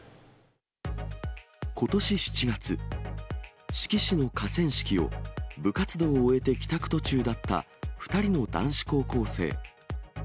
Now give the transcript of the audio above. ことし７月、志木市の河川敷を、部活動を終えて帰宅途中だった２人の男子高校生。